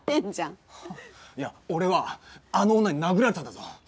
いや俺はあの女に殴られたんだぞ！